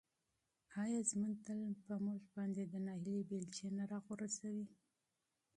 آیا ژوند تل په موږ باندې د ناهیلۍ بیلچې نه راغورځوي؟